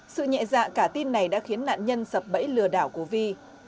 sự nhẹ dạ cả tin này đã khiến nạn nhân sập bẫy lừa đảo của vi